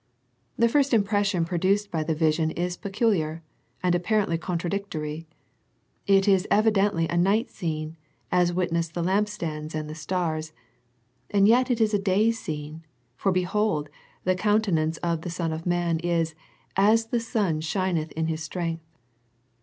The first impression produced by the vision is peculiar, and apparently contradictory. It is evidently a night scene, as witness the lamp stands and the stars, and yet it is a day scene, for behold, the countenance of the Son of man is " as the sun shineth in his strength."